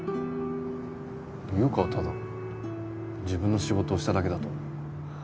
優香はただ自分の仕事をしただけだと思う。